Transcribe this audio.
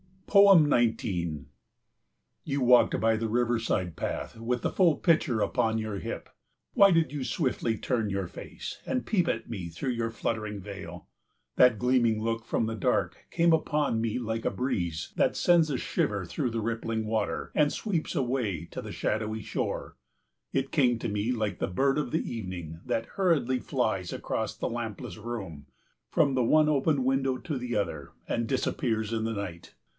19 You walked by the riverside path with the full pitcher upon your hip. Why did you swiftly turn your face and peep at me through your fluttering veil? That gleaming look from the dark came upon me like a breeze that sends a shiver through the rippling water and sweeps away to the shadowy shore. It came to me like the bird of the evening that hurriedly flies across the lampless room from the one open window to the other, and disappears in the night.